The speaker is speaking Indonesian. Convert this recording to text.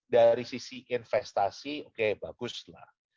dari sisi investasi oke baguslah